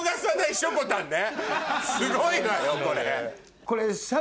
すごいわよこれ。